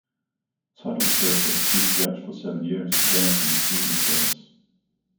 Tuttle served as chief judge for seven years, then assumed senior status.